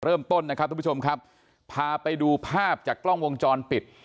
เริ่มต้นนะครับทุกผู้ชมครับพาไปดูภาพจากกล้องวงจรปิด